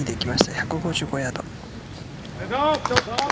１５５ヤード。